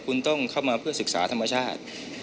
คุณต้องเข้ามาเพื่อศึกษาธรรมชาติ